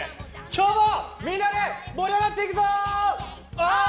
今日もみんなで盛り上がっていくぞー！